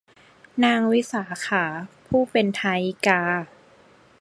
นางวิสาขา ผู้เป็นทายิกา